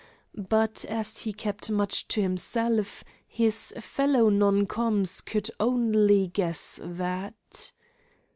But, as he kept much to himself, his fellow non coms could only guess that.